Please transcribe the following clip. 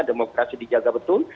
demokrasi dijaga betul